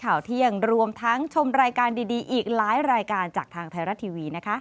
ไลน์รายการจากทางไทยรัฐทีวีนะคะ